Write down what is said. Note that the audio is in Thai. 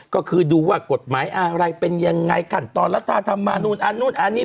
ก็คือดูว่ากฎหมายอะไรเป็นยังไงขั้นตอนรัฐธรรมนูลอันนู้นอันนี้